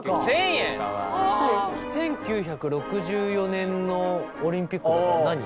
１９６４年のオリンピックって何。